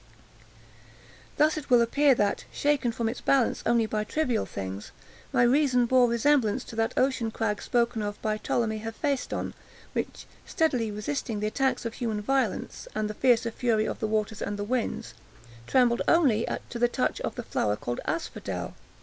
Thus it will appear that, shaken from its balance only by trivial things, my reason bore resemblance to that ocean crag spoken of by Ptolemy Hephestion, which steadily resisting the attacks of human violence, and the fiercer fury of the waters and the winds, trembled only to the touch of the flower called Asphodel.